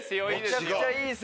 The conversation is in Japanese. めちゃくちゃいい線！